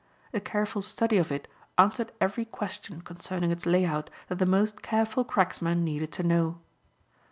A careful study of it answered every question concerning its lay out that the most careful cracksman needed to know.